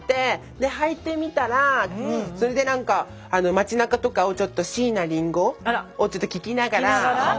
ではいてみたらそれで何か街なかとかをちょっと椎名林檎を聴きながら。